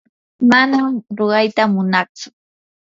manam ruqayta munatsu.